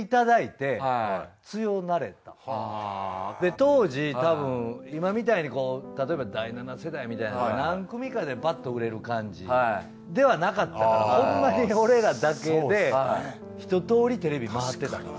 当時たぶん今みたいにたとえば第７世代みたいな何組かでバッと売れる感じではなかったからほんまに俺らだけでひととおりテレビまわってたから。